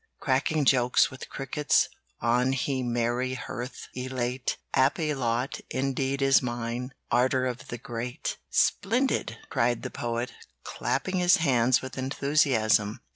"Cracking jokes with crickets on The merry hearth, elate; Happy lot indeed is mine Warder of the grate!" "Splendid!" cried the Poet, clapping his hands with enthusiasm.